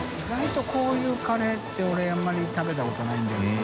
娚阿こういうカレーって俺△鵑泙食べたことないんだよな。